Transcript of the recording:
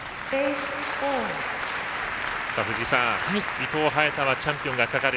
伊藤、早田はチャンピオンがかかる。